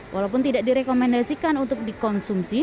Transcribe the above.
walaupun tidak direkomendasikan untuk dikonsumsi